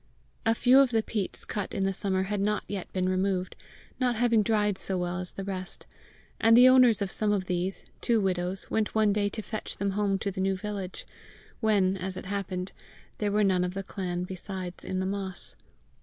A few of the peats cut in the summer had not yet been removed, not having dried so well as the rest, and the owners of some of these, two widows, went one day to fetch them home to the new village, when, as it happened, there were none of the clan besides in the moss.